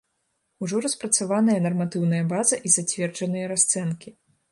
Ужо распрацаваная нарматыўная база і зацверджаныя расцэнкі.